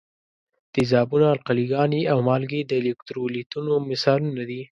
تیزابونه، القلي ګانې او مالګې د الکترولیتونو مثالونه دي.